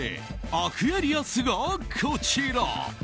アクエリアスがこちら。